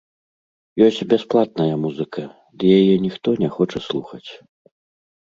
Ёсць бясплатная музыка, ды яе ніхто не хоча слухаць.